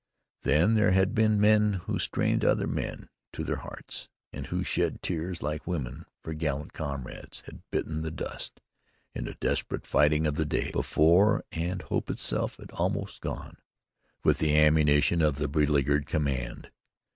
Then there had been men who strained other men to their hearts and who shed tears like women, for gallant comrades had bitten the dust in the desperate fighting of the day before, and hope itself had almost gone with the ammunition of the beleaguered command.